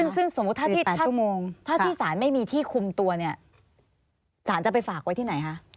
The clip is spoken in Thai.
ซึ่งสมมุติถ้าที่ศาลไม่มีที่คุมตัวเนี่ยสารจะไปฝากไว้ที่ไหนคะ